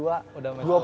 udah menang set kedua